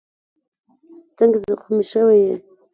څنګه زخمي شوی یې؟